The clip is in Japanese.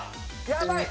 やばい！